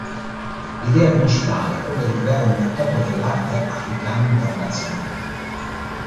L'idea principale è quella di creare un mercato dell'arte africano internazionale.